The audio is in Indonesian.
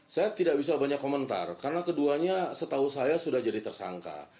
saya tidak bisa banyak komentar karena keduanya setahu saya sudah jadi tersangka